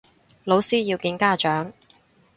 老師要見家長